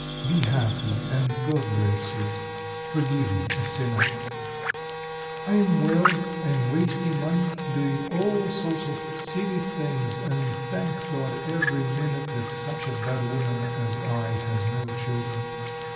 "Be happy, and God bless you; forgive me, a sinner. "I am well, I am wasting money, doing all sorts of silly things, and I thank God every minute that such a bad woman as I has no children.